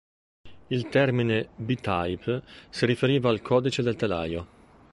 Il termine "B-Type" si riferiva al codice del telaio.